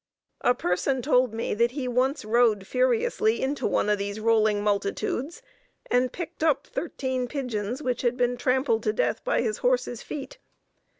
A person told me that he once rode furiously into one of these rolling multitudes and picked up thirteen pigeons which had been trampled to death by his horse's feet.